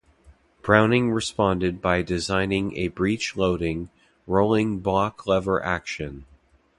Browning responded by designing a breech-loading, rolling block lever-action.